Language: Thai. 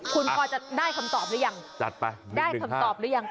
คุณพอจะได้คำตอบหรือยังจัดไปได้คำตอบหรือยัง